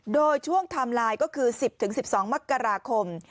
โดยช่วงไทม์ไลน์ก็คือ๑๐๑๒มกราคม